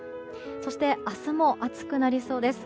そして明日も暑くなりそうです。